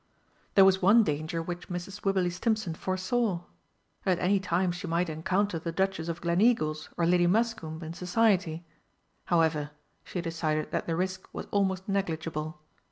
There was one danger which Mrs. Wibberley Stimpson foresaw. At any time she might encounter the Duchess of Gleneagles or Lady Muscombe in Society. However, she decided that the risk was almost negligible.